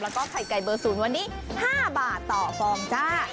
แล้วก็ไข่ไก่เบอร์ศูนย์วันนี้๕บาทต่อฟองจ้า